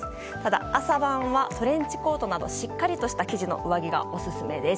朝晩はトレンチコートなどしっかりとした生地の上着がオススメです。